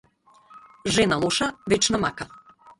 Жена лоша вечна мака.